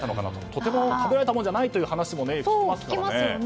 とても食べられたものじゃないという話も聞きますからね。